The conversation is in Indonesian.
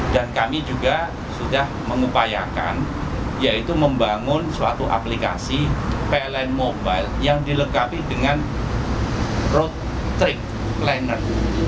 dan kami juga sudah mengepayakan yaitu membangun suatu aplikasi pln mobile yang dilengkapi dengan road trip planner